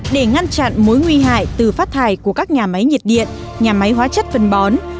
để ngăn chặn mối nguy hại từ phát thải của các nhà máy nhiệt điện nhà máy hóa chất phân bón